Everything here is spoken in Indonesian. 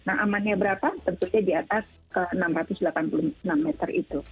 nah amannya berapa tentunya di atas enam ratus delapan puluh enam meter itu